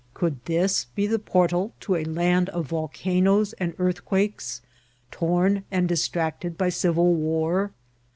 Could this be the portal to a land of volcanoes and earth« quakes, torn and distracted by civil war